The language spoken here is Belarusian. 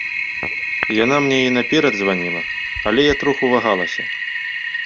Яна мне і наперад званіла, але я троху вагалася.